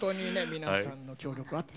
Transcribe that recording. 皆さんの協力あって。